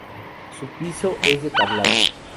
Su piso es de tablado.